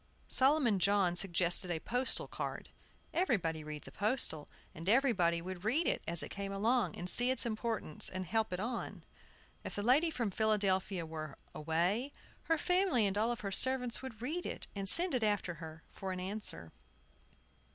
Solomon John suggested a postal card. Everybody reads a postal, and everybody would read it as it came along, and see its importance, and help it on. If the lady from Philadelphia were away, her family and all her servants would read it, and send it after her, for answer.